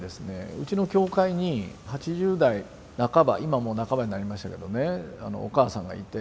うちの教会に８０代半ば今もう半ばになりましたけどねお母さんがいて。